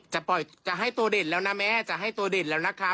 จะให้ตัวเด่นแล้วนะแม่จะให้ตัวเด่นแล้วนะคะ